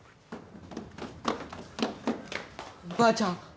ばあちゃん